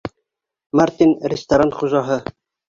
— Мартин, ресторан хужаһы.